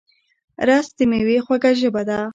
رس د مېوې خوږه ژبه ده